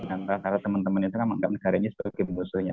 antara teman teman itu menganggap negaranya sebagai musuhnya